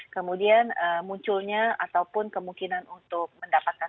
kemudian munculnya ataupun kemungkinan untuk mendapatkan